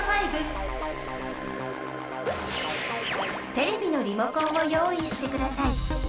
テレビのリモコンを用意してください。